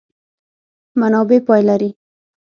منابع پای لري.